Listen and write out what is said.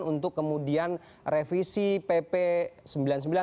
untuk kemudian revisi pp sementara